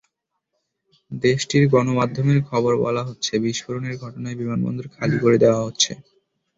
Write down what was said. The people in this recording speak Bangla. দেশটির গণমাধ্যমের খবরে বলা হচ্ছে, বিস্ফোরণের ঘটনায় বিমানবন্দর খালি করে দেওয়া হচ্ছে।